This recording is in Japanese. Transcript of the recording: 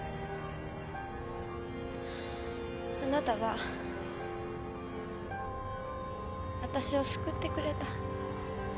あなたはわたしを救ってくれた。